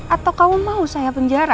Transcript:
atau kamu mau saya penjara